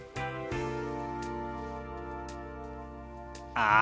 ああ。